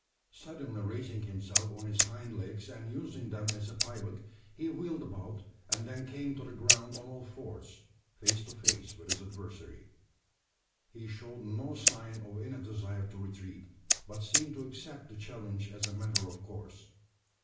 Suddenly raising himself on his hind legs, and using them as a pivot, he wheeled about, and then came to the ground on all fours, face to face with his adversary. He showed no sign of any desire to retreat, but seemed to accept the challenge as a matter of course.